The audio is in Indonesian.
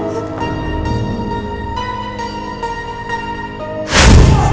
ya allah ya allah